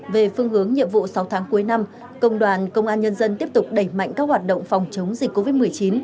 về phương hướng nhiệm vụ sáu tháng cuối năm công đoàn công an nhân dân tiếp tục đẩy mạnh các hoạt động phòng chống dịch covid một mươi chín